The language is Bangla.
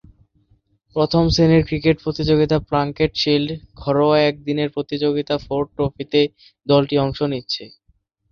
প্রথম-শ্রেণীর ক্রিকেট প্রতিযোগিতা প্লাঙ্কেট শীল্ড, ঘরোয়া একদিনের প্রতিযোগিতা ফোর্ড ট্রফিতে দলটি অংশ নিচ্ছে।